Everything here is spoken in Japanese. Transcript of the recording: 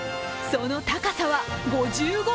その高さは５５ｍ。